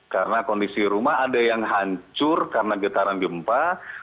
karena kondisi rumah ada yang hancur karena getaran gempa